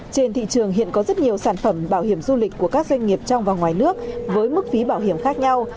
trên thị trường hiện có rất nhiều sản phẩm bảo hiểm du lịch của các doanh nghiệp trong và ngoài nước với mức phí bảo hiểm khác nhau